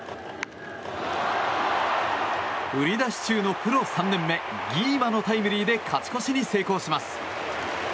売り出し中のプロ３年目ギーマのタイムリーで勝ち越しに成功します。